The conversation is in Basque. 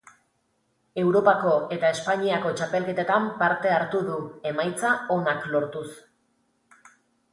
Europako eta Espainiako txapelketetan parte hartu du, emaitza onak lortuz.